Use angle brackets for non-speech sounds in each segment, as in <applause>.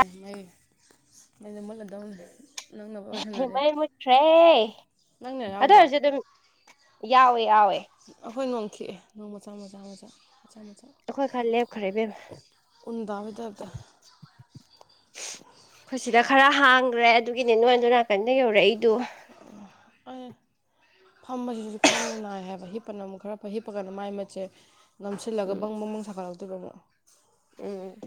ꯑꯦ ꯃꯩ ꯃꯩꯗꯣ ꯃꯨꯠꯂꯗꯧꯅꯤ ꯃꯩ ꯃꯨꯠꯈ꯭ꯔꯦ ꯅꯪꯅ ꯑꯗꯨ ꯌꯥꯎꯗ꯭ꯔꯣ ꯑꯣꯏꯔꯁꯨ ꯑꯗꯨꯝ ꯌꯥꯎꯋꯦ ꯌꯥꯎꯋꯦ ꯑꯩꯈꯣꯏ ꯅꯣꯡ ꯈꯤꯛꯑꯦ ꯅꯣꯡ ꯃꯆꯥ ꯃꯆꯥ ꯃꯆꯥ ꯃꯆꯥ ꯃꯆꯥ ꯑꯈꯣꯏ ꯈꯔ ꯂꯦꯞꯈ꯭ꯔꯦ ꯏꯕꯦꯝꯃ ꯎꯟ ꯇꯥꯕꯩ ꯇꯥꯏꯞꯇ <unintelligible> ꯑꯈꯣꯏ ꯁꯤꯗ ꯈꯔ ꯍꯥꯡꯒ꯭ꯔꯦ ꯑꯗꯨꯒꯤꯅꯦ ꯅꯣꯏ ꯑꯗꯣꯟ ꯅꯥꯀꯟꯗ ꯌꯧꯔꯛꯏꯗꯨ ꯑꯌ ꯐꯝꯕꯖꯤꯖꯨ ꯈ꯭ꯋꯥꯡ ꯅꯥꯏ ꯍꯥꯏꯕ ꯍꯤꯞꯄꯅ ꯑꯃꯨꯛ ꯈꯔ ꯐꯩ ꯍꯤꯞꯄꯒꯅ ꯃꯥꯏ ꯃꯤꯠꯁꯦ ꯅꯝꯁꯤꯜꯂꯒ ꯎꯝ ꯕꯪ ꯕꯪ ꯕꯪ ꯁꯥꯒꯠꯂꯛꯇꯣꯏꯕ ꯑꯃꯨꯛ ꯎꯝ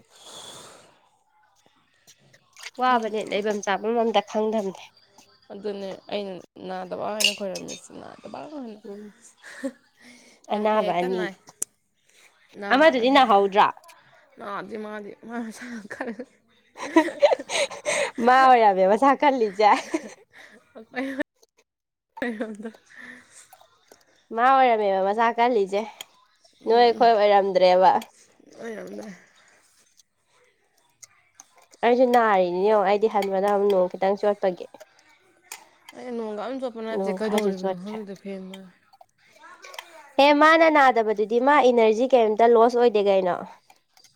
ꯋꯥꯕꯅꯦ ꯂꯩꯕꯝ ꯆꯥꯕꯝ ꯑꯝꯇ ꯈꯪꯗꯝꯅꯦ ꯑꯗꯨꯅꯦ ꯑꯩꯅ ꯅꯥꯗꯕ ꯍꯥꯏꯅ ꯈꯣꯏꯔꯝꯃꯤꯁꯦ ꯅꯥꯗꯕꯅ ꯎꯝ <unintelligible> ꯌꯥꯗꯦ ꯑꯅꯥꯕ ꯍꯦꯛꯇ ꯑꯅꯤ ꯅꯥꯏ ꯑꯃꯗꯨꯗꯤ ꯅꯥꯕꯁꯦ ꯅꯥꯍꯧꯗ꯭ꯔꯥ <unintelligible> ꯅꯥꯗꯦ ꯃꯥꯗꯤ ꯃꯥ ꯃꯁꯥ ꯌꯥꯝ ꯀꯜꯂꯦ <unintelligible> ꯃꯥ ꯑꯣꯏꯔꯝꯃꯦ ꯃꯥꯁꯥ ꯀꯜꯂꯤꯖꯦ <unintelligible> <unintelligible> ꯃꯥ ꯑꯣꯏꯔꯝꯃꯦꯕ ꯃꯁꯥ ꯀꯜꯂꯤꯁꯦ ꯅꯣꯏ ꯑꯩꯈꯣꯏ ꯑꯣꯏꯔꯝꯗ꯭ꯔꯦꯕ ꯑꯣꯏꯔꯝꯗ꯭ꯔꯦ ꯑꯩꯁꯨ ꯅꯥꯔꯤꯅꯤꯅꯤꯉꯣ ꯑꯩꯗꯤ ꯍꯟꯕꯗ ꯑꯃꯨꯛ ꯅꯣꯡ ꯈꯤꯇꯪ ꯆꯣꯠꯄꯒꯤ ꯑꯩ ꯅꯣꯡꯒ ꯑꯝ ꯆꯣꯠꯄ ꯅꯥꯠꯇꯦ ꯅꯣꯡ ꯈꯔꯁꯨ ꯀꯩꯗꯧꯔꯤꯕꯅꯣ ꯈꯪꯗꯦ ꯐꯦꯟ ꯃꯥ ꯑꯦ ꯃꯥꯅ ꯅꯥꯗꯕꯗꯨꯗꯤ ꯃꯥ ꯏꯅꯔꯖꯤ ꯀꯩꯝꯇ ꯂꯣꯁ ꯑꯣꯏꯗꯦ ꯀꯩꯅꯣ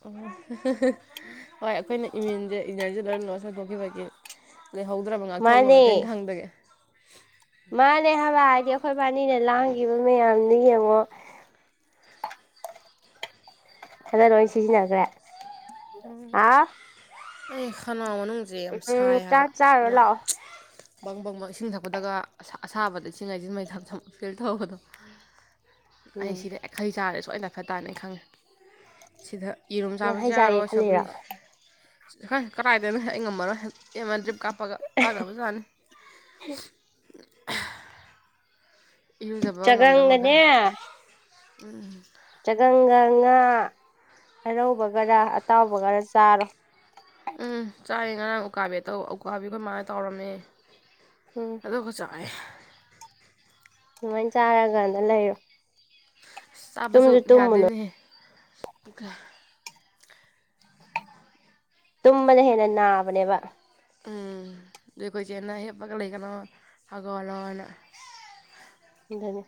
ꯑꯣꯍꯣ <unintelligible> ꯍꯣꯏ ꯑꯩꯈꯣꯏꯅ ꯏꯃ꯭ꯌꯨꯟꯖꯦ ꯏꯅꯔꯖꯤ ꯂꯣꯏ ꯂꯣꯁ ꯑꯣꯏꯊꯣꯛꯈꯤꯕꯒꯤ ꯂꯩꯍꯧꯗ꯭ꯔꯕ ꯃꯥꯅꯦ ꯉꯥꯛꯊꯣꯛꯅꯕ ꯇꯤꯟꯈꯪꯗꯒꯤ ꯃꯥꯅꯦ ꯍꯥꯏꯕ ꯍꯥꯏꯗꯤ ꯑꯈꯣꯏ ꯕꯥꯅꯤꯅ ꯂꯥꯡꯒꯤꯕ ꯃꯌꯥꯝꯗꯨ ꯌꯦꯡꯉꯣ ꯍꯜꯂ ꯂꯣꯏ ꯁꯤꯖꯤꯟꯅꯒ꯭ꯔꯦ <unintelligible> ꯎꯝ ꯑꯩ ꯈꯅꯥꯎ ꯃꯅꯨꯡ ꯖꯦ ꯌꯥꯝ ꯎꯝ ꯁꯥꯏ ꯍꯥꯏꯕ ꯆꯥꯛ ꯆꯥꯔꯨꯔ ꯑꯃ ꯂꯥꯛꯑꯣ <unintelligible> ꯕꯪ ꯕꯪ ꯕꯪ ꯏꯁꯤꯡ ꯊꯛꯄꯗꯒ ꯑꯁꯥ ꯑꯁꯥꯕꯗ ꯏꯁꯤꯡ ꯍꯩꯖꯤꯟ ꯃꯩꯊꯛ ꯊꯝ ꯐꯤꯜ ꯇꯧꯕꯗꯣ ꯑꯩ ꯎꯝ ꯁꯤꯗ ꯍꯦꯛ ꯍꯩ ꯆꯥꯔ ꯁꯣꯏ ꯗꯥꯢꯐꯠ ꯇꯥꯅꯤ ꯑꯩ ꯈꯪꯉꯦ ꯁꯤꯗ ꯌꯦꯔꯨꯝ ꯅꯪ ꯍꯩ ꯆꯥꯕꯁꯨ ꯆꯥꯒꯦ ꯌꯥꯔꯣꯏ ꯈꯜꯂꯤꯔꯣ ꯆ ꯍꯥꯏ ꯀꯗꯥꯥꯏꯗꯩꯅꯣ ꯑꯩ ꯉꯝꯃꯔꯣꯢ ꯏꯕꯦꯝꯃ ꯗ꯭ꯔꯤꯞ ꯀꯥꯞꯄꯒ ꯋꯥꯥꯒ꯭ꯔꯕ ꯖꯥꯠꯅꯤ ꯏꯔꯨꯖꯕ ꯉꯝꯗ ꯆꯒꯪꯒꯅꯦ ꯃꯈꯩ <unintelligible> ꯎꯝ ꯎꯝ ꯆꯒꯪꯒ ꯉꯥ ꯑꯔꯧꯕꯒꯔ ꯑꯇꯥꯎꯕꯒꯔ ꯆꯥꯔꯣ ꯎꯝ ꯆꯥꯔꯦ ꯉꯔꯥꯡ ꯎꯀꯥꯕꯤ ꯑꯇꯥꯎ ꯎꯀꯥꯕꯤ ꯑꯈꯣꯏ ꯃꯥꯥꯅ ꯇꯥꯎꯔꯝꯃꯦ ꯎꯝ ꯑꯗꯨꯒ ꯆꯥꯏꯑꯦ ꯅꯨꯉꯦꯏꯅ ꯆꯥꯔꯒꯥꯅꯦ ꯂꯩꯌꯨ ꯆꯥꯕꯁꯨ ꯇꯨꯝꯃꯨꯅꯨ ꯌꯥꯗꯦꯍꯦꯅꯦ ꯄꯨꯛꯇ ꯇꯨꯝꯕꯅ ꯍꯦꯟꯅ ꯅꯥꯕꯅꯦꯕ ꯎꯝ ꯗꯨꯢ ꯈꯣꯏ ꯆꯦꯅꯥ ꯍꯤꯞꯄꯒ ꯂꯩꯒꯅꯣ ꯍꯧꯒꯠꯂꯣꯅ ꯑꯗꯨꯅꯤ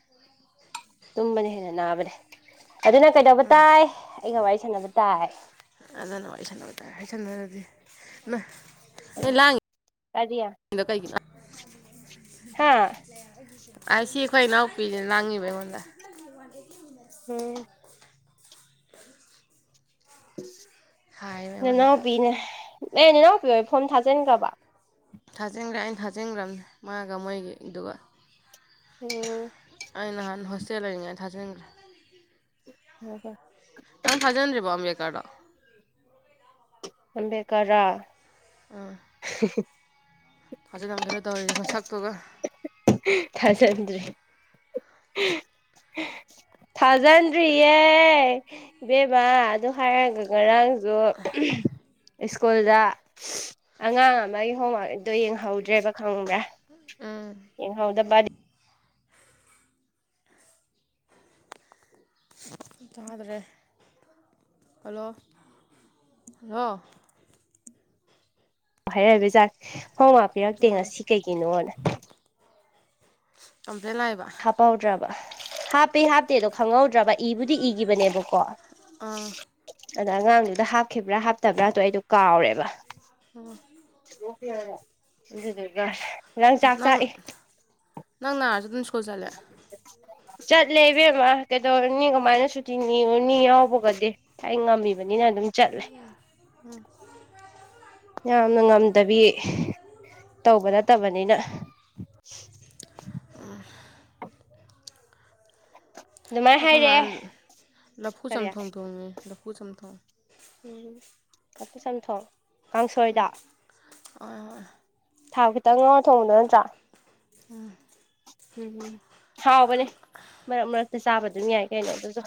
ꯇꯨꯝꯕꯅ ꯍꯦꯟꯅ ꯅꯥꯕꯅꯤ ꯑꯗꯨꯅ ꯀꯩꯗꯧꯕ ꯇꯥꯏ ꯑꯩꯒ ꯋꯥꯔꯤ ꯁꯥꯟꯅꯕ ꯇꯥꯏ ꯑꯗꯨꯅ ꯋꯥꯔꯤ ꯁꯥꯅꯕ ꯇꯥꯏ ꯍꯥꯥꯏꯁꯟꯅꯔꯗꯤ <unintelligible> ꯂꯥꯡ ꯀꯔꯤ <unintelligible> ꯗꯣ ꯀꯩꯒꯤꯅꯣ <unintelligible> ꯍꯥꯥ <unintelligible> ꯑꯁꯤ ꯑꯈꯣꯏ ꯏꯅꯥꯎꯄꯤꯅꯦ ꯂꯥꯡꯉꯤꯕ ꯑꯩꯉꯣꯟꯗ <unintelligible> ꯑꯦ ꯍꯥꯏꯕ ꯑꯩꯉꯣꯟꯗ ꯅꯅꯥꯎꯄꯤꯅꯦ ꯑꯦ ꯅꯅꯥꯎꯄꯤ ꯍꯣꯢ ꯐꯣꯝ ꯊꯥꯖꯤꯟꯒ꯭ꯔꯕ ꯊꯥꯖꯤꯟꯒ꯭ꯔꯦ ꯑꯩꯅ ꯊꯥꯖꯤꯟꯒ꯭ꯔꯝꯅꯤ ꯃꯥꯒ ꯃꯣꯏꯒꯤ ꯗꯨꯒ ꯍꯨ ꯑꯩ ꯅꯍꯥꯟ ꯍꯣꯁꯇꯦꯜ ꯂꯩꯔꯤꯉꯩ ꯊꯥꯖꯤꯟꯒ꯭ꯔꯦ <unintelligible> ꯅꯪ ꯊꯥꯖꯟꯗ꯭ꯔꯤꯕꯣ ꯑꯝꯕꯦꯀꯔꯗꯣ ꯑꯝꯕꯦꯀꯔ ꯔꯥ ꯑꯥ ꯍꯤ ꯍꯤ ꯊꯥꯖꯤꯜꯂꯝꯒꯤꯔꯣꯢ ꯇꯧꯔꯤꯁꯤ ꯅꯁꯛꯇꯨꯒ ꯍꯥ ꯊꯥꯖꯤꯟꯗ꯭ꯔꯤ ꯍꯥ ꯍꯥ ꯊꯥꯖꯤꯟꯗ꯭ꯔꯤꯌꯦ ꯏꯕꯦꯝꯃꯥ ꯑꯗꯨ ꯍꯥꯏꯔꯒ ꯉꯔꯥꯡꯖꯨ ꯁ꯭ꯀꯨꯜꯗ ꯑꯉꯥꯡ ꯑꯃꯒꯤ ꯍꯣꯝꯋꯥꯛꯗꯣ ꯌꯦꯡꯍꯧꯗ꯭ꯔꯦꯕ ꯈꯪꯕ꯭ꯔꯥ ꯎꯨꯝ ꯌꯦꯡꯍꯧꯗꯕꯥꯑꯗꯤ ꯇꯥꯗ꯭ꯔꯦ ꯍꯜꯂꯣ ꯍꯜꯂꯣ <unintelligible> ꯍꯩꯕꯩ ꯆꯥꯡ ꯍꯣꯝꯋꯥꯛ ꯄꯤꯔꯛꯇꯦ ꯎꯝ ꯉꯁꯤ ꯀꯩꯒꯤꯅꯣꯅ ꯀꯝꯄ꯭ꯂꯦꯟ ꯂꯥꯛꯏꯕ ꯍꯥꯞꯄꯧꯗ꯭ꯔꯕ ꯍꯥꯞꯄꯤ ꯍꯥꯞꯇꯦꯗꯨ ꯈꯪꯍꯧꯗ꯭ꯔꯕ ꯏꯕꯨꯗꯤ ꯏꯒꯤꯕꯅꯦꯕꯀꯣ ꯑꯥ ꯑꯗ ꯑꯉꯥꯡꯗꯨꯗ ꯍꯥꯞꯈꯤꯕ꯭ꯔꯥ ꯍꯥꯞꯇ꯭ꯔꯥꯕꯗꯣ ꯑꯩꯗꯣ ꯀꯥꯎꯔꯦꯕ <unintelligible> ꯂꯪ ꯆꯥꯛ ꯅꯪ ꯆꯥꯛꯏ ꯅꯪ ꯅꯥꯔꯁꯨ ꯑꯗꯨꯝ ꯁꯀ꯭ꯨꯜ ꯖꯜꯂꯦ ꯆꯠꯂꯦ ꯏꯕꯦꯝꯃ ꯀꯩꯗꯧꯔꯨꯅꯤ ꯀꯃꯥꯏꯅ ꯁꯨꯇꯤ ꯅꯤꯔꯨꯅꯤ ꯌꯥꯎꯕꯒꯗꯤ ꯑꯩ ꯉꯝꯃꯤꯕꯅꯤꯅ ꯑꯗꯨꯝ ꯆꯠꯂꯦ ꯎꯝ <unintelligible> ꯌꯥꯝꯅ ꯉꯝꯗꯕꯤ ꯇꯧꯕ ꯅꯠꯇꯕꯅꯤꯅ ꯑꯗꯨꯃꯥꯏꯅ ꯈꯣꯏ ꯑꯈꯣꯏ ꯍꯥꯏꯔꯛꯑꯦ ꯃꯥꯟ ꯂꯐꯨ ꯀꯔꯤ ꯆꯝꯊꯣꯡ ꯊꯣꯡꯉꯤ ꯂꯐꯨ ꯆꯝꯊꯣꯡ ꯎꯝ ꯂꯐꯨ ꯆꯝꯊꯣꯡ ꯎꯝ ꯀꯥꯡꯁꯣꯏꯗ ꯍꯣꯏ ꯍꯣꯏ ꯊꯥꯎ ꯈꯤꯇꯪ ꯉꯧꯔ ꯊꯣꯡꯕꯗꯣ ꯅꯠꯇ꯭ꯔꯥ ꯎꯨꯝ ꯎꯝ ꯍꯥꯎꯕꯅꯦ ꯃꯔꯛ ꯃꯔꯛꯇ ꯆꯥꯕ ꯑꯗꯨꯝ ꯌꯥꯏ ꯀꯩꯅꯣ ꯑꯗꯨꯖꯨ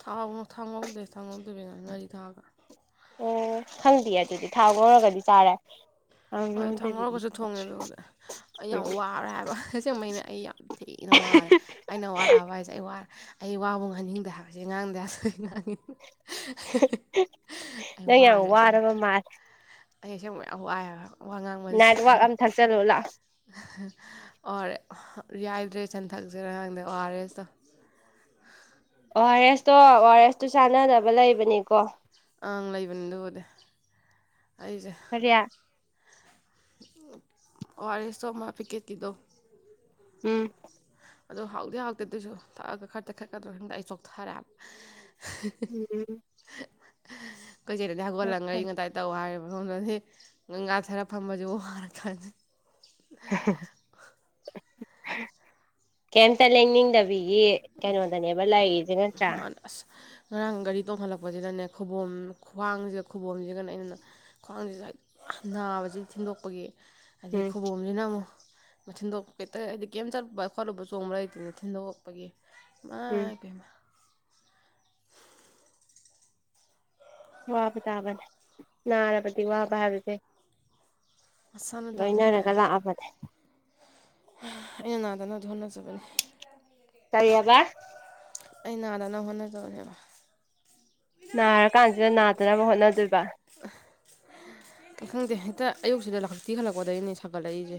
ꯊꯥꯎꯅꯨ ꯊꯥꯎ ꯉꯧꯗꯦ ꯊꯥꯎ ꯉꯧꯗꯕꯤ ꯉꯥꯔꯤ ꯊꯥꯛꯑꯒ ꯎꯝ ꯈꯪꯗꯤꯌꯦ ꯑꯗꯨꯗꯤ ꯊꯥꯎ ꯉꯧꯔꯒꯗꯤ ꯆꯥꯔꯦ ꯍꯣꯏ ꯊꯥꯎ ꯉꯧꯗꯕꯤꯗꯤ ꯉꯧꯔꯒꯖꯨ ꯊꯣꯡꯉꯦ ꯆꯥꯗ꯭ꯔꯤ ꯑꯗꯨꯕꯨꯗꯤ ꯑꯩ ꯎꯝ ꯌꯥꯝ ꯋꯥꯔꯦ ꯍꯥꯏꯕ ꯑꯁꯦꯡꯕꯩꯅꯦ ꯑꯩ ꯌꯥꯝ ꯊꯤꯅ ꯋꯥꯔꯦ ꯑꯩꯅ ꯋꯥꯔꯛꯑꯕ ꯍꯥꯏ ꯑꯩ ꯋꯥ ꯑꯩ ꯋꯥꯕꯣꯛ ꯉꯥꯡꯅꯤꯡꯗꯦ ꯍꯥꯏꯕꯖꯦ ꯉꯥꯡꯗ ꯌꯥꯗꯕꯒꯤ ꯉꯥꯡꯉꯤ ꯍꯥ ꯍꯥ ꯍꯥ ꯍ ꯑꯩ ꯅꯪ ꯌꯥꯝ ꯋꯥꯔꯦ ꯑꯁꯦꯡꯕ ꯋꯥꯔꯕ ꯃꯥꯜꯂꯦ ꯑꯩ ꯑꯁꯦꯡꯕ ꯌꯥꯝ ꯋꯥꯏ ꯍꯥꯏꯕ ꯋꯥ ꯉꯥꯡꯕ <unintelligible> ꯅꯥꯏꯠ ꯋꯥꯛ ꯑꯃ ꯊꯛꯆꯜꯂꯨ ꯂꯥꯛꯑꯣ ꯑꯣꯔꯦ ꯔꯤꯍꯥꯏꯗ꯭ꯔꯦꯁꯟ ꯊꯛꯁꯤꯔ ꯈꯪꯗꯦ ꯑꯣ ꯑꯥꯔ ꯑꯦꯁꯇꯣ ꯑꯣ ꯑꯥꯔ ꯑꯦꯁꯇꯣ ꯑꯣ ꯑꯥꯔ ꯑꯦꯁꯇꯣ ꯆꯥꯟꯅꯗꯕ ꯂꯩꯕꯅꯤꯀꯣ ꯑꯪ ꯂꯩꯕꯅꯤ ꯗꯨꯕꯨꯗꯤ ꯑꯩꯖꯦ ꯀꯔꯤꯌꯥ ꯑꯣ ꯑꯥꯔ ꯑꯦꯁꯇꯣ ꯑꯃ ꯄꯤꯀꯦꯠꯀꯤꯗꯣ ꯎꯨꯝ ꯑꯗꯣ ꯍꯥꯎꯗꯤ ꯍꯥꯎꯇꯦ ꯑꯗꯨꯏꯖꯨ ꯊꯛꯑꯒ ꯈꯔ ꯇꯦꯛꯈꯠꯀꯗ꯭ꯔ ꯈꯪꯗꯦ ꯑꯩ ꯆꯣꯛꯊꯔꯦ ꯍꯥꯏꯕ ꯍ ꯎꯝ <unintelligible> ꯀꯣꯏ ꯀꯩꯅꯣꯗꯩ ꯍꯧꯒꯠꯂꯒ ꯐꯔꯦ ꯉꯥꯔꯤ ꯉꯥꯇꯥꯏ ꯇꯧ <unintelligible> ꯁꯣꯝꯗꯗꯤ ꯉꯥꯊꯔ ꯐꯝꯕꯖꯨ ꯋꯥꯔꯀꯥꯟꯖꯤ <unintelligible> ꯀꯌꯤꯝꯇ ꯂꯦꯡꯅꯤꯡꯗꯕꯤꯒꯤ ꯀꯩꯅꯣꯗꯅꯦꯕ ꯂꯩꯔꯤꯖꯦ ꯅꯠꯇ꯭ꯔꯥ ꯃꯥꯅ ꯑꯁ ꯉꯔꯥꯡ ꯒꯥꯔꯤ ꯇꯣꯡꯈꯠꯂꯛꯄꯖꯤꯗꯅꯦ ꯈꯨꯕꯣꯝ ꯈ꯭ꯋꯥꯡꯖꯤꯒ ꯈꯨꯕꯣꯝꯖꯤꯒꯅ ꯑꯩꯅꯅꯦ ꯈ꯭ꯋꯥꯡꯖꯤꯖꯨ ꯍꯦꯛ ꯅꯥꯕꯖꯤ ꯊꯤꯟꯗꯣꯛꯄꯒꯤ ꯑꯗꯩ ꯎꯝ ꯈꯨꯕꯣꯝꯖꯤꯅ ꯑꯃꯨꯛ ꯊꯤꯟꯗꯣꯛꯄ ꯍꯦꯇ ꯍꯥꯏꯗꯤ ꯀ꯭ꯌꯤꯝ ꯆꯠꯂꯨꯕ ꯈꯣꯠꯂꯨꯕꯖ ꯂꯩꯇꯦꯅ ꯊꯤꯟꯗꯣꯛꯛꯄꯒꯤ ꯎꯝ ꯃꯥꯏꯄꯦꯝꯃ ꯋꯥꯕ ꯇꯥꯕꯅꯦ ꯅꯥꯔꯕꯗꯤ ꯋꯥꯕ ꯍꯥꯏꯕꯖꯦ ꯃꯁꯥꯅ ꯇꯕꯅꯤꯒꯌꯣ ꯂꯥꯛꯑꯕꯅꯦ ꯍ ꯑꯩꯅ ꯅꯥꯗꯅꯕꯗꯤ ꯍꯣꯠꯅꯖꯕꯅꯤ ꯀꯔꯤꯑꯕ ꯑꯩ ꯅꯥꯗꯅꯕ ꯍꯣꯠꯅꯖꯕꯅꯦꯕ ꯅꯥꯔꯀꯥꯟꯖꯤꯗ ꯅꯥꯗꯅꯕ ꯍꯣꯠꯅꯗꯨꯏꯕ <unintelligible> ꯈꯪꯗꯦ ꯍꯦꯛꯇ ꯑꯌꯨꯛꯁꯤꯗ ꯂꯥꯛꯊꯤ ꯈꯜꯂꯛꯄꯗꯩꯅꯦ ꯁꯥꯒꯠꯂꯛꯏꯖꯦ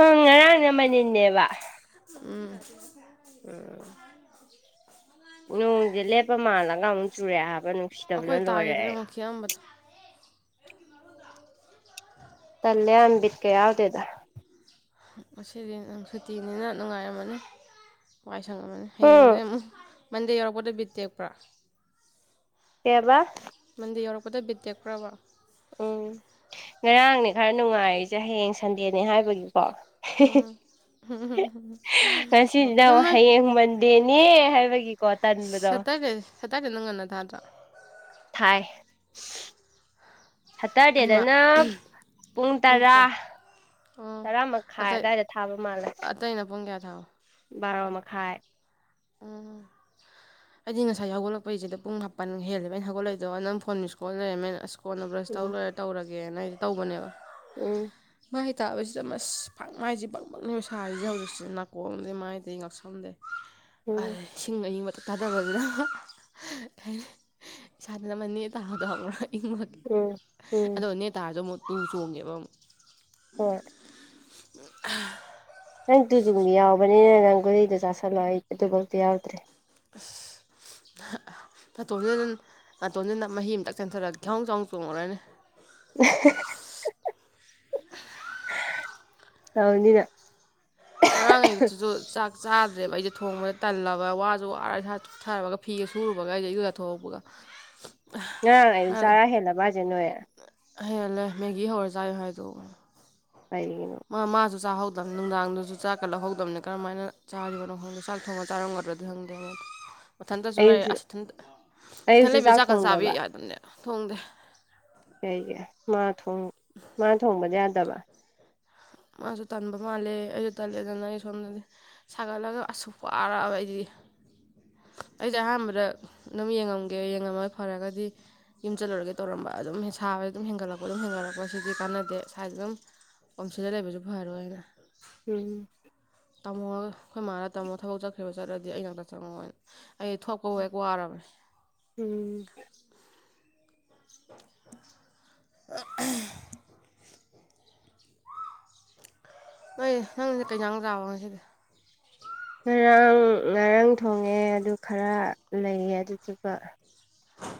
ꯎꯝ ꯉꯔꯥꯡꯅ ꯃꯅꯤꯟꯅꯦꯕ ꯎꯝ ꯎꯝ ꯅꯣꯡꯖꯦ ꯂꯦꯞꯄ ꯃꯥꯜꯂꯒ ꯑꯃꯨꯛ ꯆꯨꯔꯛꯑꯦ ꯍꯥꯏꯕ ꯅꯨꯡꯁꯤꯗꯕꯅ ꯂꯣꯏꯔꯦ ꯑꯩ ꯊꯤꯌꯥꯝꯕꯗꯣ ꯇꯜꯂꯦꯌꯥꯝ ꯕꯤꯠꯀ ꯌꯥꯎꯗꯦꯗ ꯉꯁꯤꯗꯤ ꯅꯪ ꯁꯨꯇꯤꯅꯤꯅ ꯅꯨꯡꯉꯥꯏꯔꯝꯃꯅꯤ ꯋꯥꯏ ꯁꯪꯉꯝꯃꯅꯤ ꯎꯝ ꯍꯌꯦꯡꯖꯦ ꯑꯃꯨꯛ ꯃꯟꯗꯦ ꯌꯧꯔꯛꯄꯗ ꯕꯤꯠ ꯇꯦꯛꯄ꯭ꯔꯥ ꯀꯩꯑꯕ ꯃꯟꯗꯦ ꯌꯧꯔꯛꯄꯗ ꯕꯤꯠ ꯇꯦꯛꯄ꯭ꯔꯥꯕ ꯎꯝ ꯉꯔꯥꯡꯅꯦ ꯈꯔ ꯅꯨꯡꯉꯥꯏꯔꯤꯖꯦ ꯍꯌꯦꯡ ꯁꯟꯗꯦꯅꯦ ꯍꯥꯏꯕꯒꯤꯀꯣ ꯍꯤꯍꯤ ꯎꯝ ꯑꯣ ꯑꯗꯣ ꯉꯁꯤꯖꯨꯅꯃꯨꯛ ꯅꯣꯏ ꯍꯌꯦꯡ ꯃꯟꯗꯦꯅꯦ ꯍꯥꯏꯕꯒꯤꯀꯣ ꯇꯟꯕꯗꯣ ꯁꯇꯔꯗꯦꯗꯣ ꯉꯟꯅ ꯊꯥꯇ꯭ꯔꯣ ꯊꯥꯏ ꯑꯍꯩꯃꯥ ꯁꯇꯔꯗꯦꯗꯅ ꯄꯨꯡ ꯇꯔꯥ ꯑꯣ ꯇꯔꯥ ꯃꯛꯈꯥꯏ ꯑꯗꯥꯏꯗ ꯊꯥꯕ ꯃꯥꯜꯂꯦ ꯇꯩꯩꯅ ꯄꯨꯡ ꯀꯌꯥ ꯊꯥꯕ ꯕꯥꯔꯣ ꯃꯈꯥꯏ ꯑ ꯑꯩꯗꯤ ꯉꯁꯥꯏ ꯍꯧꯒꯠꯂꯛꯄꯩꯖꯤꯗ ꯄꯨꯡ ꯃꯥꯄꯟ ꯍꯦꯜꯂꯦꯕ ꯑꯩꯅ ꯍꯧꯒꯠꯂꯏꯗꯣ ꯅꯪ ꯐꯣꯟ ꯃꯤꯁꯀꯣꯜ ꯂꯩꯔꯝꯃꯦꯅ ꯑꯁ ꯀꯣꯟꯅ ꯕ꯭ꯔꯁ ꯇꯧ ꯎꯝ ꯂꯣꯏꯔ ꯇꯧꯔꯒꯦꯅ ꯑꯩꯖꯤ ꯇꯧꯕꯅꯦꯕ ꯎꯝ ꯃꯥꯏ ꯇꯥꯕꯁꯤꯗ ꯃꯁ ꯐꯪ ꯃꯥꯏꯖꯦ ꯕꯪ ꯕꯪꯅꯦꯕ ꯁꯥꯔꯤꯖꯦ ꯍꯧꯖꯤꯛꯁꯤ ꯅꯥꯀꯣꯡꯗꯩ ꯃꯥꯏꯗꯩ ꯉꯛꯁꯝꯗꯩ ꯎꯝ ꯑꯩꯏ ꯁꯤꯡꯕ ꯑꯌꯤꯡꯕ ꯃꯇꯛ ꯇꯥꯗꯕꯒꯤꯅ ꯑꯍ ꯍ ꯑꯩ <unintelligible> ꯏꯪꯃꯒꯤ ꯎꯝ ꯎꯝ ꯑꯗꯣ ꯅꯦꯇꯥꯔꯖꯨ ꯑꯃꯨꯛ ꯇꯨ ꯆꯣꯡꯉꯦꯕ ꯑꯃꯨꯛ ꯍꯣꯏ ꯎꯪꯑ꯭ꯍꯥ ꯅꯪ ꯇꯨꯖꯨꯡꯕꯤꯗꯤ ꯌꯥꯎꯕꯅꯤꯅ ꯅꯪ ꯒꯨꯂꯤꯗꯣ ꯆꯥꯥꯁꯜꯂꯣ ꯑꯩ ꯑꯇꯣꯞꯄ ꯑꯝꯇ ꯌꯥꯎꯗ꯭ꯔꯦ ꯑꯁ ꯍꯛꯑꯥ ꯅꯥꯇꯣꯟꯖꯤꯅꯟ ꯅꯥꯇꯣꯟꯖꯤ ꯅꯞ ꯃꯍꯤ ꯑꯝꯇꯛ ꯆꯦꯟꯊꯣꯔꯛ ꯈ꯭ꯌꯥꯎ ꯆꯥꯎ ꯆꯣꯡꯉꯨꯔꯅꯤ ꯑꯥꯎꯅꯤ ꯅꯪ ꯉꯔꯥꯡ ꯑꯌꯨꯛꯇꯨꯖꯨ ꯆꯥꯛ ꯆꯥꯗ꯭ꯔꯦꯕ ꯑꯩꯖꯦ ꯊꯣꯡꯕꯗ ꯇꯜꯂꯕ ꯋꯥꯖꯨ ꯋꯥꯔ ꯏꯁꯥꯗꯨ ꯊꯔꯕꯒ ꯐꯤꯒ ꯁꯨꯔꯨꯕꯒ ꯑꯥꯏꯖꯦ ꯏꯔꯨꯖꯊꯣꯛꯄꯣꯒ ꯉꯔꯥꯡ ꯑꯌꯨꯛ ꯆꯥꯔꯥ ꯍꯦꯜꯂꯕ ꯍꯥꯏꯖꯦ ꯅꯣꯏ ꯍꯦꯜꯂꯦ ꯃꯦꯒꯤ ꯍꯧꯔ ꯆꯥꯏ ꯍꯥꯏꯗꯣ ꯄꯩꯅꯤꯉꯤꯅꯣ ꯃꯥ ꯃꯥꯖꯨ ꯆꯥꯍꯧꯗꯝ ꯅꯨꯡꯗꯥꯡꯗꯨꯖꯨ ꯆꯥꯛꯀꯥ ꯂꯧꯍꯧꯗꯝꯅꯦ ꯀꯔꯝꯃꯥꯏꯅ ꯆꯥꯒꯤꯕꯅꯣ ꯈꯪꯗꯣ ꯆꯥꯛ ꯊꯣꯡꯉ ꯆꯥꯔꯝꯒꯗ꯭ꯔ ꯅꯪꯗ꯭ꯔꯒꯗꯤ ꯃꯊꯟꯇꯖꯨ ꯂꯩ ꯑꯌꯨꯛꯁꯨ ꯑꯁ ꯏꯊꯟꯇ ꯏꯊꯟ ꯑꯌꯨꯛꯁꯨ ꯂꯩꯕꯖꯦ ꯆꯥꯛ ꯆꯥꯛꯀ ꯆꯥꯕꯤ ꯊꯣꯡꯗꯕ ꯌꯥꯗꯝꯅꯦ ꯊꯣꯡꯗꯦ ꯀꯩꯒꯤ ꯃꯥ ꯊꯨꯡ ꯃꯥ ꯊꯣꯡꯕꯗꯤ ꯌꯥꯗꯕ ꯃꯥꯖꯨ ꯇꯟꯕ ꯃꯥꯜꯂꯦ ꯑꯩꯖꯨ ꯇꯜꯂꯦꯗꯅ ꯑꯩ ꯐꯃꯤꯟꯅꯧꯖꯦ ꯁꯥꯒꯠꯂꯒ ꯑꯁ ꯋꯥꯔꯛꯑꯕ ꯑꯩꯗꯤ ꯑꯩꯁꯦ ꯑꯍꯥꯟꯕꯗ ꯑꯗꯨꯝ ꯌꯦꯡꯉꯝꯒꯦ ꯌꯦꯡꯉꯝꯃ ꯐꯔꯒꯗꯤ ꯌꯨꯝ ꯆꯜꯂꯨꯔꯒꯦ ꯇꯧꯔꯝꯕ ꯑꯗꯨꯝ ꯍꯦ ꯁꯥꯕꯖꯦ ꯑꯗꯨꯝ ꯍꯦꯟꯒꯠꯂꯛꯄ ꯑꯗꯨꯝ ꯍꯦꯟꯒꯠꯂꯛꯄ ꯁꯤꯗꯤ ꯀꯥꯟꯅꯗꯦ ꯁꯥꯏꯗꯗꯨꯝ ꯑꯣꯝꯁꯤꯂ ꯂꯩꯕꯖꯨ ꯐꯔꯣꯏꯅ ꯎꯝ ꯇꯝꯃꯣꯒ ꯑꯩꯈꯣꯏ ꯃꯥꯅ ꯇꯝꯃꯣ ꯊꯕꯛ ꯆꯠꯈ꯭ꯔꯦꯕ ꯆꯠꯂꯗꯤ ꯑꯩ ꯅꯥꯛꯇ ꯆꯪꯉꯛꯑꯣꯅ ꯑꯩ ꯊꯣꯛꯄꯕꯨ ꯍꯦꯛ ꯋꯥꯔꯕꯅꯦ ꯎꯝ <inaudible> ꯅꯣꯏ ꯅꯪꯖꯦ ꯀꯩꯖꯥꯡ ꯆꯥꯕꯣ ꯉꯁꯤꯗꯤ ꯉꯔꯥꯡ ꯉꯔꯪ ꯊꯣꯡꯉꯦ ꯑꯗꯨ ꯈꯔ ꯂꯩꯌꯦ ꯑꯗꯨꯗꯨꯒ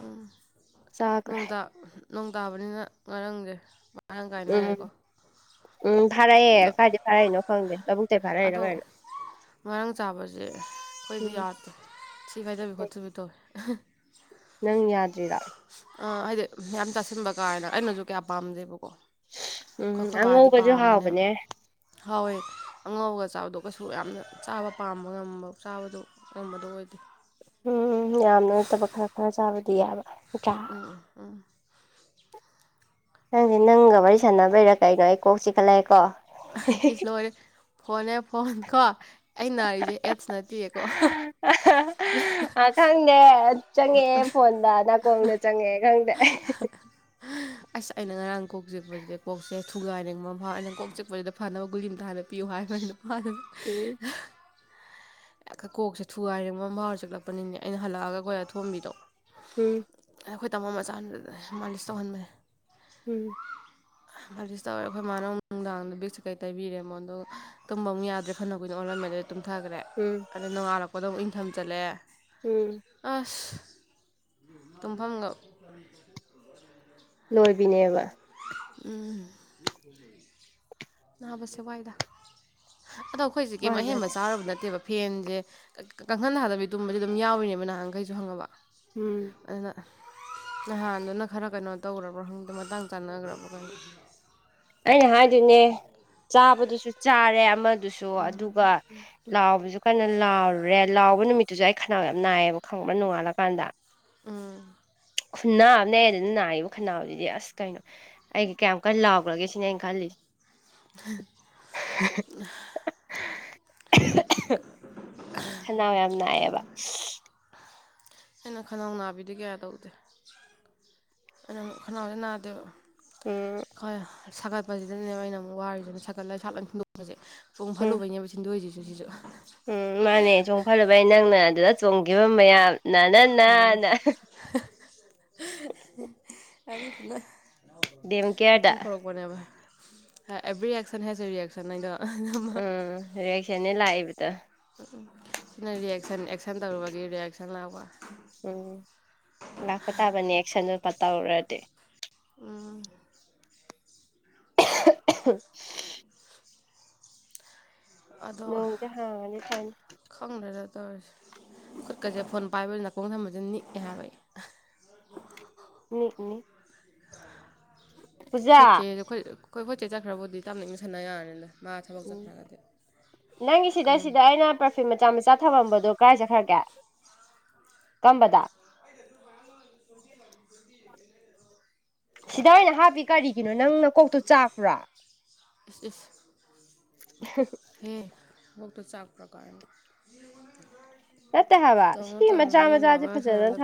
ꯎꯝ ꯆꯥꯈ꯭ꯔꯦ ꯅꯣꯡ ꯇꯥ ꯅꯣꯡ ꯇꯥꯕꯅꯤꯅ ꯉꯔꯪꯒꯦ ꯑꯍꯪ ꯎꯝ ꯀꯥꯏꯅꯔꯦꯀꯣ ꯎꯝ ꯐꯥꯔꯛꯑꯦ ꯑꯗꯣ ꯀꯥꯏꯗꯩ ꯐꯥꯔꯛꯏꯅꯣ ꯈꯪꯗꯦ ꯂꯧꯕꯨꯛꯇꯩ ꯐꯔꯛꯏꯔꯣ ꯑꯗꯣ ꯀꯩꯅꯣ ꯉꯔꯥꯡ ꯆꯥꯕꯖꯦ ꯑꯩꯈꯣꯏꯗꯤ ꯎꯝ ꯌꯥꯗꯦ ꯊꯤ ꯐꯥꯏꯗꯕꯤ ꯈꯣꯠꯊꯕꯤ ꯇꯧꯋꯦ ꯅꯪ ꯌꯥꯗ꯭ꯔꯤꯔꯣ ꯑꯥ ꯍꯥꯏꯗꯤ ꯌꯥꯝ ꯆꯥꯁꯤꯟꯕ ꯀ꯭ꯔꯥꯅ ꯑꯩꯅꯖꯨ ꯀꯌꯥ ꯄꯥꯝꯗꯦꯕꯀꯣ ꯎꯝ ꯈꯣ ꯈꯣꯏ ꯕꯥꯗꯤ ꯑꯉꯧꯕꯁꯨ ꯄꯥꯝꯕꯅꯦꯟꯌꯐ ꯍꯥꯎꯕꯅꯦ ꯍꯥꯎꯋꯦ ꯑꯉꯥꯎꯒ ꯆꯥꯕꯗꯣ ꯀꯩꯁꯨ ꯌꯥꯝꯅ ꯆꯥꯕ ꯄꯥꯝꯕ ꯉꯝꯕ ꯆꯥꯕꯗꯨ ꯇꯝꯕꯗꯣ ꯑꯣꯏꯗꯦ ꯎꯝ ꯌꯥꯝꯅ ꯅꯠꯇꯕ ꯈꯔ ꯈꯔ ꯆꯥꯕꯗꯤ ꯌꯥꯕꯥ ꯎꯝ ꯎꯝ ꯈꯪꯗꯦ ꯅꯪꯒ ꯋꯥꯔꯤ ꯁꯥꯟꯅꯕꯩꯔꯥ ꯀꯩꯅꯣ ꯑꯩ ꯀꯣꯛ ꯆꯤꯛ ꯈꯠꯂꯛꯑꯦꯀꯣ ꯏꯁ ꯂꯣꯏꯔꯦ ꯐꯣꯟꯅꯦ ꯐꯣꯟ ꯀꯣ ꯑꯩ ꯅꯥꯔꯤꯖꯦ ꯑꯦꯠꯁ ꯅꯠꯇꯤꯌꯦꯀꯣ ꯑ ꯈꯪꯗꯦ ꯆꯪꯉꯛꯑꯦ ꯐꯣꯟꯗ ꯅꯥꯀꯣꯡꯗ ꯆꯪꯉꯛꯑꯦ ꯈꯪꯗꯦ ꯑꯦ ꯍꯦ ꯍꯦ <unintelligible> ꯑꯁ ꯑꯩꯅ ꯉꯔꯥꯡ ꯀꯣꯛ ꯆꯤꯛꯄꯁꯤ ꯀꯣꯛꯁꯦ ꯊꯨꯒꯥꯏꯅꯤꯡꯕ ꯑꯝ ꯐꯥꯎꯏ ꯑꯩꯅ ꯀꯣꯛ ꯆꯤꯛꯄꯁꯤꯗ ꯐꯅꯕ ꯒꯨꯂꯤ ꯑꯝꯇ ꯍꯥꯅ ꯄꯤꯌꯨ ꯍꯥꯏꯕ ꯅꯨꯄꯥꯗ ꯎꯝ ꯍꯦ ꯈ ꯀꯣꯛꯁꯦ ꯊꯨꯒꯥꯏꯅꯤꯡꯕꯦ ꯃꯥ ꯌꯥꯎꯔ ꯆꯤꯛꯂꯛꯄꯅꯤꯅꯦ ꯑꯩꯅ ꯍꯜꯂꯛꯑꯒ ꯑꯈꯣꯏ ꯑꯗꯣꯝꯕꯤꯗꯣ ꯎꯝ ꯑꯈꯣꯏ ꯇꯃꯣ ꯃꯆꯥ ꯗ ꯃꯥꯂꯤꯁ ꯇꯧꯍꯟꯕꯅꯦ ꯎꯝ ꯃꯥꯂꯤꯁ ꯇꯧꯔꯦ ꯑꯈꯣꯏ ꯃꯥꯅ ꯑꯃꯨꯛ ꯅꯨꯡꯗꯥꯡꯗ ꯕꯤꯛꯁ ꯀꯩ ꯇꯩꯕꯤꯔꯦ ꯃꯣꯟꯗꯣ ꯇꯨꯝꯕ ꯑꯃꯨꯛ ꯌꯥꯗ꯭ꯔꯦ ꯐꯅ ꯀꯨꯏꯅ ꯑꯣꯟꯂꯝꯃꯦ ꯑꯗꯩ ꯇꯨꯝꯊꯈ꯭ꯔꯦ ꯎꯝ ꯑꯗꯨ ꯅꯣꯡꯉꯥꯜꯂꯛꯄꯗ ꯑꯃꯨꯛ ꯏꯪꯊꯝ ꯆꯜꯂꯦ ꯎꯝ ꯑꯁ ꯇꯨꯝꯐꯝꯒ <inaudible> ꯂꯣꯏꯕꯤꯅꯦꯕ ꯎꯝ ꯅꯥꯕꯁꯦ ꯋꯥꯏꯗ ꯑꯗꯣ ꯈꯣꯏꯖꯦ ꯀꯩꯝ ꯋꯥꯗ꯭ꯔꯗꯤ ꯑꯍꯦꯟꯕ ꯆꯥꯔꯨꯕ ꯅꯠꯇꯦꯕ ꯐꯦꯟꯚꯦ ꯀꯥꯡꯈꯟ ꯊꯥꯗꯕꯤ ꯇꯨꯝꯕꯖꯦ ꯑꯗꯨꯝ ꯌꯥꯎꯔꯤꯅꯦꯕ ꯅꯍꯥꯟꯈꯩꯁꯨ ꯈꯪꯉꯕ ꯎꯝ ꯑꯗꯨꯅ ꯅꯍꯥꯟꯗꯨꯅ ꯈꯔ ꯀꯩꯅꯣ ꯇꯧꯒ꯭ꯔꯕ ꯈꯪꯗꯦ ꯃꯇꯥꯡ ꯆꯥꯟꯅꯒ꯭ꯔꯕ <unintelligible> ꯑꯩꯅ ꯍꯥꯏꯗꯨꯅꯦ ꯆꯥꯕꯗꯨꯖꯨ ꯆꯥꯔꯦ ꯑꯃꯗꯨꯁꯨ ꯑꯗꯨꯒ ꯂꯥꯎꯕꯖꯨ ꯀꯟꯅ ꯂꯥꯎꯔꯨꯔꯦ ꯂꯥꯎꯕ ꯅꯨꯃꯤꯠꯇꯨꯖꯨ ꯑꯩ ꯈꯟꯅꯥꯎ ꯌꯥꯝ ꯅꯥꯏꯌꯦꯕ ꯈꯪꯕ꯭ꯔ ꯅꯣꯡꯉꯥꯜꯂꯀꯥꯟꯗ ꯎꯝ ꯈꯨꯟꯅꯥ ꯑꯃꯅꯦ ꯑꯗꯨꯗ ꯅꯥꯒꯤꯕ ꯈꯟꯅꯥꯎꯖꯤꯗꯤ ꯑꯁ ꯀꯩꯅꯣ ꯑꯩꯒꯤ ꯀꯌꯥꯝ ꯀꯟ ꯂꯥꯎꯒ꯭ꯔꯒꯦ ꯁꯤꯅꯦ ꯑꯩ ꯈꯜꯂꯤꯁꯤ <unintelligible> ꯈꯟꯅꯥꯎ ꯌꯥꯝ ꯅꯥꯏꯌꯦꯕ <unintelligible> ꯑꯩꯅ ꯈꯟꯅꯥꯎ ꯅꯥꯕꯤꯗꯤ ꯀꯌꯥ ꯇꯧꯗꯦ ꯑꯩꯅ ꯑꯃ ꯈꯟꯅꯥꯎꯗꯤ ꯅꯥꯗꯦꯕ ꯎꯝ ꯈꫭꯏ ꯁꯥꯒꯠꯄꯖꯤꯗꯅꯦꯕ ꯑꯩꯅ ꯑꯃꯨꯛ ꯋꯥꯔꯤꯖꯤꯅ ꯁꯥꯒꯠꯂ ꯏꯁꯥ ꯂꫭꯏ ꯊꯤꯟꯗꯣꯛꯄꯁꯦ ꯆꯣꯡ ꯎꯝ ꯐꯜꯂꯨꯕꯩꯅꯦꯕ ꯊꯤꯟꯗꯣꯏꯁꯤꯖꯨ ꯁꯤꯖꯨ ꯎꯝ ꯃꯥꯟꯅꯦ ꯆꯣꯡꯐꯜꯂꯨꯕꯩ ꯅꯪꯅ ꯑꯗꯨꯗ ꯆꯣꯡꯒꯤꯕ ꯃꯌꯥꯝꯅ <unintelligible> ꯑ <unintelligible> <unintelligible> ꯑꯗꯨꯗꯨꯅ ꯗꯦꯝ ꯀꯦꯌꯔꯗ ꯃꯊꯧ ꯇꯧꯔꯛ ꯄꯅꯦꯕ every action has a reaction ꯍꯥꯏꯗꯣ ꯑꯗꯨꯃ ꯎꯝ ꯔꯤꯌꯦꯛꯁꯟꯅꯦ ꯂꯥꯛꯏꯕꯗꯣ ꯅꯪ ꯔꯤꯌꯦꯛꯁꯟ ꯑꯦꯛꯁꯟ ꯇꯧꯔꯨꯕꯒꯤ ꯔꯤꯌꯦꯛꯁꯟ ꯂꯥꯛꯄ ꯎꯝ ꯂꯥꯛꯄ ꯇꯥꯕꯅꯦ ꯑꯦꯛꯁꯟꯗꯨ <unintelligible> ꯇꯧꯔꯨꯔꯗꯤ <unintelligible> ꯅꯣꯡꯖꯦ ꯍꯥꯡꯉꯗꯤ ꯐꯅꯤ ꯈꯪꯗꯦꯗ ꯇꯧꯔꯤꯁꯦ ꯈꯨꯠꯀꯁꯦ ꯐꯣꯟ ꯄꯥꯏꯕ ꯅꯥꯀꯣꯡ ꯊꯝꯕꯖꯦ ꯅꯤꯛꯑꯦ ꯍꯥꯏꯕ ꯑꯩ ꯑꯩꯈꯣꯏ ꯅꯤꯛꯅꯤ ꯈꯣꯏꯆꯦ ꯈꯣꯏ ꯈꯣꯏ ꯆꯦ ꯆꯠꯈ꯭ꯔꯕꯨꯗꯤ ꯇꯞꯅ ꯏꯪꯅ ꯁꯥꯟꯅ ꯌꯥꯔꯅꯤꯗ ꯃꯥ ꯊꯕꯛ ꯎꯝ ꯆꯠꯈ꯭ꯔꯒꯗꯤ ꯅꯪꯒꯤ ꯁꯤꯗ ꯑꯗꯨꯝ ꯁꯤꯗ ꯑꯩꯅ ꯄꯔ ꯐꯤꯝ ꯃꯆꯥ ꯃꯆꯥ ꯊꯃꯝꯕꯗꯣ ꯀꯥꯏ ꯆꯠꯈ꯭ꯔꯒꯦ ꯀꯝꯕꯗ <unintelligible> ꯁꯤꯗ ꯑꫭꯏꯅ ꯍꯥꯞꯄꯤ ꯀꯔꯤꯒꯤꯅꯣ ꯅꯪ ꯅꯀꯣꯛꯇꯣ ꯆꯥꯛꯄ꯭ꯔꫭ ꯏꯁ ꯏꯁ <unintelligible> ꯑꯦ ꯅꯀꯣꯛꯇꯣ ꯆꯥꯥꯛꯄ꯭ꯔ ꯀꯥꯏꯅ ꯅꯠꯇꯦ ꯍꯥꯏꯕ <unintelligible> ꯇꯧꯅꯨ ꯁꯤ ꯇꯧꯅꯨ ꯃꯆꯥ ꯑꯗꯨꯒꯨꯝꯕ ꯃꯆꯥꯁꯦ ꯋꯉꯥꯡ ꯐꯖꯅ ꯁꯉꯥꯡꯗꫭ